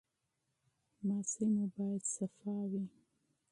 جرابې مو باید پاکې وي.